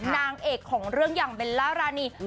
นางเอกของเรื่องอย่างเบลล่ารานี